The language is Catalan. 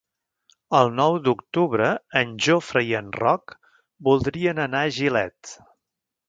El nou d'octubre en Jofre i en Roc voldrien anar a Gilet.